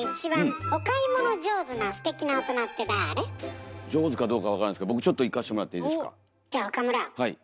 上手かどうか分からないですけど僕ちょっといかせてもらっていいですか。